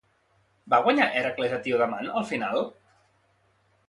Va guanyar Hèracles a Tiodamant al final?